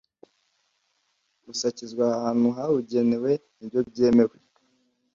gusakizwa ahantu habugenewe nibyo byemewe